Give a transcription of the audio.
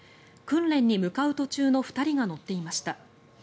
訓練に向かう途中の２人が乗っていました。